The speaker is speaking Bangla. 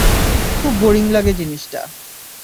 খুব বোরিং লাগে জিনিসটা।